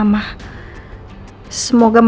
sekarang tinggal nunggu kabar aja nih dari mama